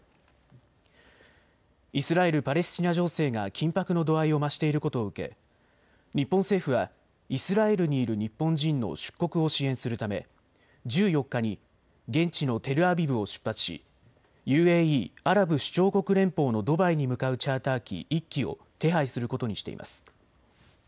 イスラエル・パレスチナ情勢が緊迫の度合いを増していることを受け日本政府はイスラエルにいる日本人の出国を支援するため１４日に現地のテルアビブを出発しＵＡＥ・アラブ首長国連邦のドバイに向かうチャーター機１機を手配することにしています。